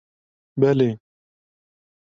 Belê.